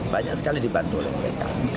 banyak sekali dibantu oleh mereka